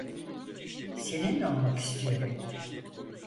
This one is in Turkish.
Seninle olmak istiyorum.